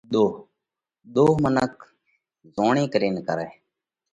ۮوه: ۮوه منک زوڻي ڪرينَ ڪرئه۔